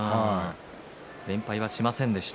連敗はしませんでした。